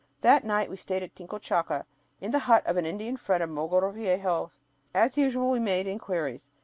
That night we stayed at Tincochaca, in the hut of an Indian friend of Mogrovejo. As usual we made inquiries.